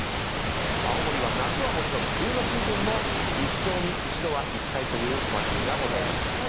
青森は夏はもちろん冬のシーズンも一生に一度は行きたいというお祭りがございます。